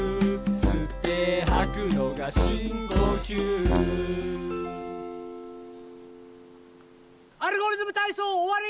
「すってはくのがしんこきゅう」「アルゴリズムたいそう」おわり！